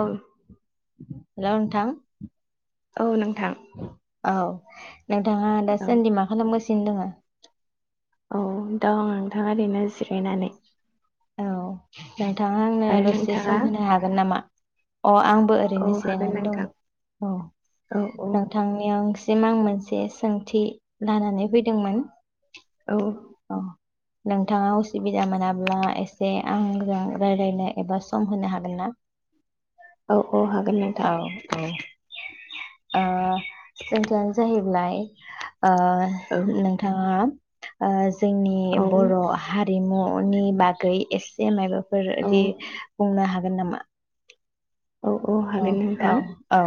अ hello नोंथां औ नोंथां औ नोंथाङा औ दासान्दि मा खालामगासि नो दङ? औ दंङ नोंथां ओरैनो जिरायनानै। औ नोंथाङा आंनो आरो दसे नोंथाङा सम होनो हागोन नामा? अ आंबो औ ओरैनो हागोन जिरायनानै दं नोंथां औ औ अ नोंथांनियाव आं मोनसे सोंथि लानानै फैदोंमोन। औ औ नोंथाङा असुबिदा मोनाब्ला ए से आंजों रायज्लायनो एबा सम होनो हागोन ना? औ औ हागोन नोंथां। औ औ ओ सोंथियानो जाहैबाय औ ओ नोंथाङा ओ जोंनि औ बर हारिमु नि बा गै एसे माबा फोर औ बिदि बुंनो हागो नामा? औ औ हागोन औ नोंथां औ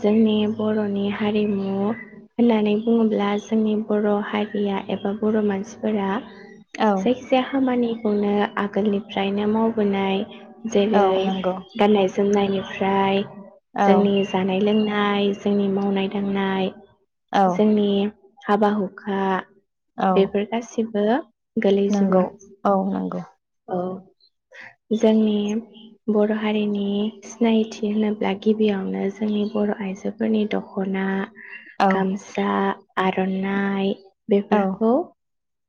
जोंनि बरनि हारिमु होननानै बुनङोब्ला जोंनि बर हारिया एबा बर‌मानसिफोरा औ जायखिजाया खामानि बेखौनो आगोलनिफ्रायनो मावबोनाय, औ जेरै नंगौ गाननाय जोमनायनिफ्राय औ जोंनि जानाय-लोंनाय नाय जोंनि मावनाय-दांनाय औ जोंनि हाबा-हुखा औ बेफोर गासैबो गासैबो। नंगौ औ नंगौ। औ जोंनि बर' हा हारिनि सिनायथि होनोब्ला गिबियावनो जोंनि बर' आइजोफोरनि दख'ना औ गामसा, आरनानाय, बेफोरखौ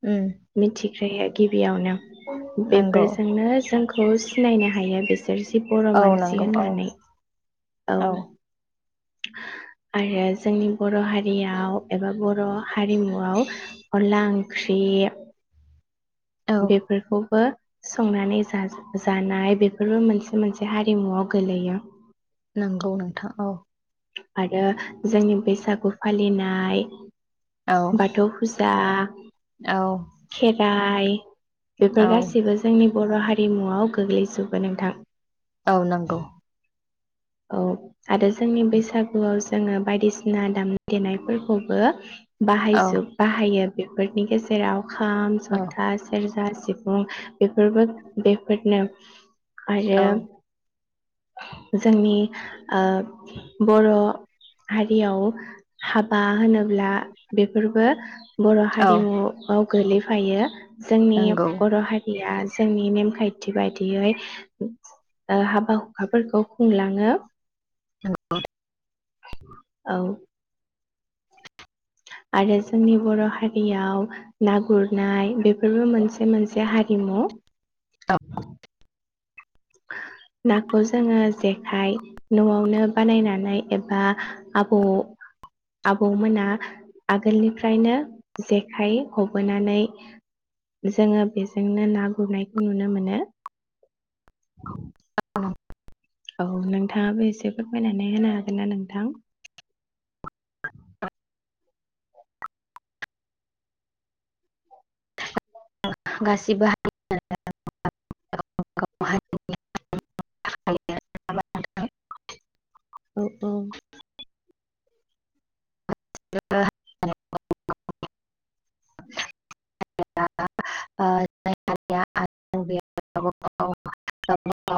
ओम। [inaudible] गिबिआनो। बेफोरजोंनो जोंखौ सिनायनो हायो बिसोर जि बर' औ मानसि नंगौ औ होननानै औ। आरो जोंनि बर' हारियाव एबा बर' हारिमुआव अनला ओंख्रि, औ बेफोरखौबो संनानै जा-जानाय बेफोरबो मोनसे मोनसे हारिमुआव गोलैयो, नंगौ नोंथां औ। आरो जोंनि बैसागु फालिनाय, औ बाथौ फुजा, [unintelligible] औ खेराय, औ बेफोर गासिबो जोंनि बर' हारिमुआव गोग्लैजोबो नोंथां औ नंगौ। औ। आरो जोंनि बैसागुआव जोङो बायदिसिना दाम देनायफोरखौबो औ बाहायजोब बाहायो बेफोरनि गेजेराव खाम, औ जथा फुजा सिफुं बेफोरबो बेफोरनो आरो। औ जोंनि ओ बर' हारियाव हाबा होनोब्ला बेफोरबो बर' औ हारिमुआव गोलैफायो। जोंनि नंगौ बर' हारिया जोंनि नेमखायथि बायदियै ओ हाबा हुखाफोरखौ खुंलाङो नोंगौ औ आरो जोंनि बर' हारियाव ना गुरनाय बेफोरबो मोनसे मोनसे हारिमु औ नाखौ जोङो जेखाइ नआवनो बानायनानै एबा आबौ आबौमोना आगोलनिफ्रायनो जेखाइ हबोनानै जोङो बेजोंनो ना गुरनायखौ नुनो मोनो अह औ नोंथाङाबो एसे फोरमायनानै होनो हागोन ना नोंथां गासिबो हारि [unintelligible] औ औ [unintelligible] ओ [unintelligible]